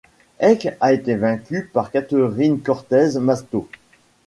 Heck a été vaincu par Catherine Cortez Masto.